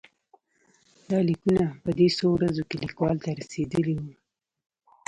دا لیکونه په دې څو ورځو کې لیکوال ته رسېدلي وو.